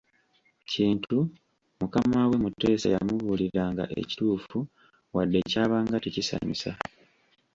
Kintu, mukamawe Muteesa yamubuliranga ekituufu wadde kyabanga tekisanyusa.